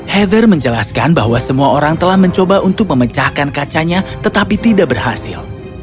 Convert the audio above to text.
heather menjelaskan bahwa semua orang telah mencoba untuk memecahkan kacanya tetapi tidak berhasil